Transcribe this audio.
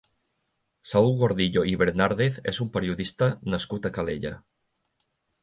Saül Gordillo i Bernàrdez és un periodista nascut a Calella.